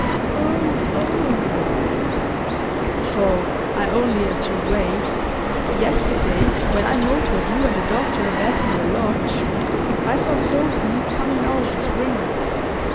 "Oh, Owen!" "Oh, I only had to wait. Yesterday, when I motored you and the doctor back from the lodge, I saw Sophy coming out of the spring house.